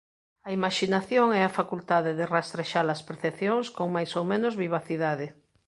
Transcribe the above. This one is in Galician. A imaxinación é a facultade de rastrexa-las percepcións con máis ou menos vivacidade.